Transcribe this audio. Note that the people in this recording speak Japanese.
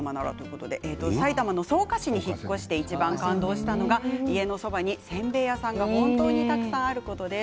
埼玉の草加市に引っ越していちばん感動したのが家のそばに、せんべい屋さんが本当にたくさんあることです。